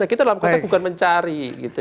kita dalam kata bukan mencari